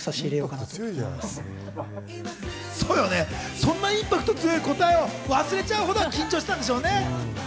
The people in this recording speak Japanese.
そんなインパクトの強い答えを忘れちゃうほど緊張していたんでしょうね。